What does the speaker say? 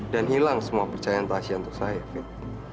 dan hilang semua percayaan tasya untuk saya fit